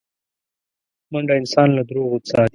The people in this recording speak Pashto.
منډه انسان له دروغو ساتي